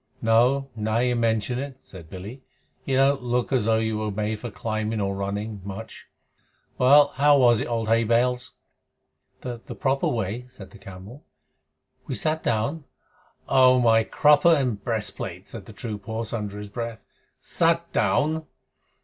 "No. Now you mention it," said Billy, "you don't look as though you were made for climbing or running much. Well, how was it, old Hay bales?" "The proper way," said the camel. "We all sat down " "Oh, my crupper and breastplate!" said the troop horse under his breath. "Sat down!"